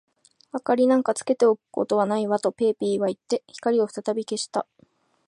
「明りなんかつけておくことはないわ」と、ペーピーはいって、光をふたたび消した。